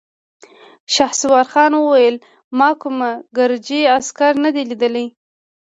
شهسوارخان وويل: ما کوم ګرجۍ عسکر نه دی ليدلی!